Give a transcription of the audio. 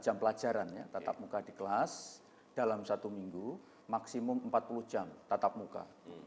dua puluh empat jam pelajaran ya tatap muka di kelas dalam satu minggu maksimum empat puluh jam tatap muka